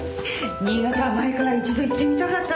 新潟は前から一度行ってみたかったのよ。